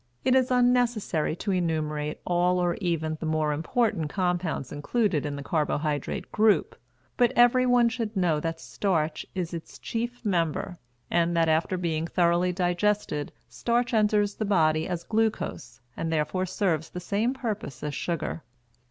It is unnecessary to enumerate all or even the more important compounds included in the carbohydrate group; but everyone should know that starch is its chief member, and that after being thoroughly digested starch enters the body as glucose and therefore serves the same purpose as sugar.